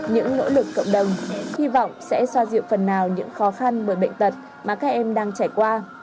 những nỗ lực cộng đồng hy vọng sẽ xoa dịu phần nào những khó khăn bởi bệnh tật mà các em đang trải qua